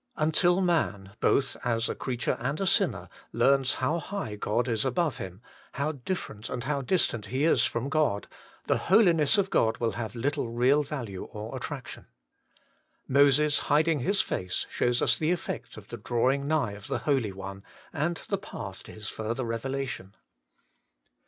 Until man, both as a creature and a sinner, learns how high God is above him, how different and distant he is from God, the Holiness of God will have little real value or attraction. Moses hiding his face shows us the effect of the drawing nigh of the Holy One, and the path to His further revelation.